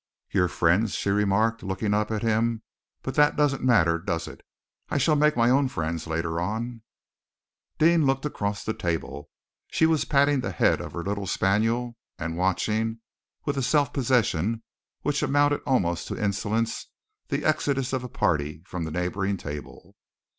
"Your friends?" she remarked, looking up at him. "But that doesn't matter, does it? I shall make my own friends later on." Deane looked across the table. She was patting the head of her little spaniel, and watching, with a self possession which amounted almost to insolence, the exodus of a party from the neighboring table.